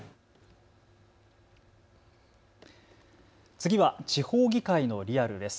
次は地方議会のリアルです。